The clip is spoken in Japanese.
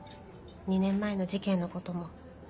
２年前の事件のことも。